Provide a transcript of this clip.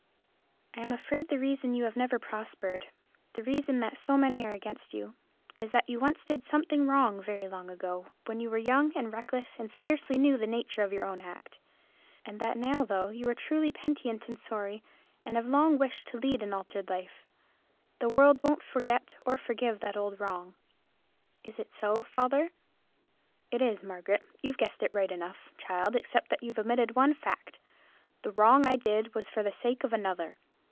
"I am afraid the reason you have never prospered—the reason that so many are against you—is that you once did something wrong, very long ago, when you were young and reckless, and scarcely knew the nature of your own act; and that now, though you are truly penitent and sorry, and have long wished to lead an altered life, the world won't forget or forgive that old wrong. Is it so, father?" "It is, Margaret. You've guessed right enough, child, except that you've omitted one fact. The wrong I did was done for the sake of another.